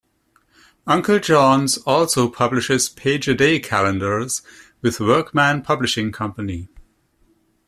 Uncle John's also publishes Page-a-Day calendars with Workman Publishing Company.